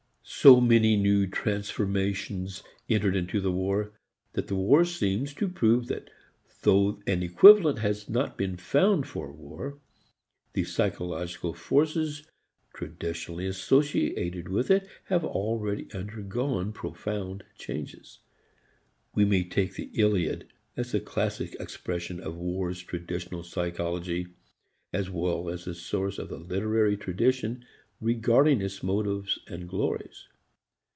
So many new transformations entered into the war, that the war seems to prove that though an equivalent has not been found for war, the psychological forces traditionally associated with it have already undergone profound changes. We may take the Iliad as a classic expression of war's traditional psychology as well as the source of the literary tradition regarding its motives and glories.